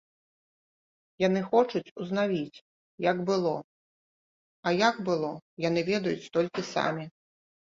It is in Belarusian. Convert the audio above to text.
Яны хочуць узнавіць, як было, а як было яны ведаюць толькі самі.